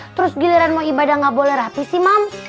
terus giliran mau ibadah gak boleh rapi sih mams